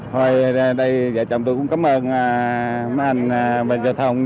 thôi đây vợ chồng tôi cũng cảm ơn mấy anh bệnh giao thông